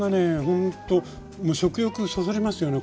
ほんと食欲そそりますよね